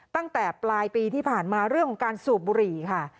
ตั้งแต่ปลายปีที่ผ่านมาเรื่องของการสูบบุหรี่ค่ะ